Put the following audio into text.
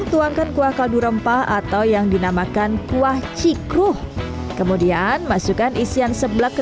tuangkan kuah kaldu rempah atau yang dinamakan kuah cikru kemudian masukkan isian sebelah ke